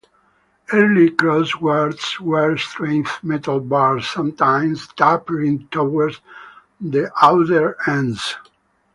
Early crossguards were straight metal bars, sometimes tapering towards the outer ends.